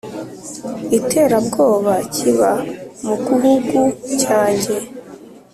iterabwoba kiba mu guhugu cyanjye.